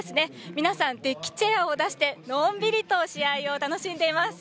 皆さん、デッキチェアを出してのんびりと試合を楽しんでいます。